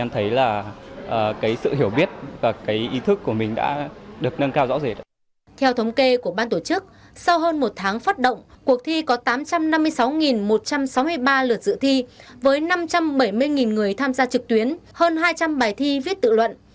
theo thống kê của ban tổ chức sau hơn một tháng phát động cuộc thi có tám trăm năm mươi sáu một trăm sáu mươi ba lượt dự thi với năm trăm bảy mươi người tham gia trực tuyến hơn hai trăm linh bài thi viết tự luận